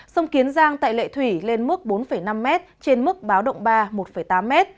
sông kiến giang tại lệ thủy lên mức bốn năm m trên mức báo động ba một tám m